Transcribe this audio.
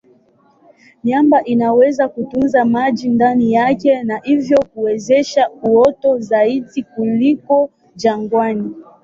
Miamba inaweza kutunza maji ndani yake na hivyo kuwezesha uoto zaidi kuliko jangwani.